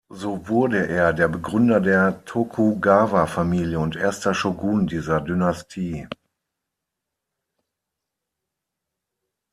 So wurde er der Begründer der Tokugawa-Familie und erster Shōgun dieser Dynastie.